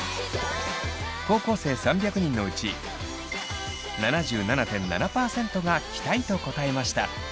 高校生３００人のうち７７．７％が着たいと答えました。